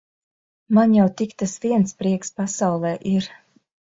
Man jau tik tas viens prieks pasaulē ir.